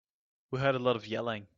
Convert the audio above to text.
We heard a lot of yelling.